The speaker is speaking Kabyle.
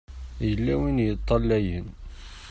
Yella win i yeṭṭalayen.